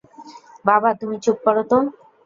বাবা তুমি চুপ করো তো।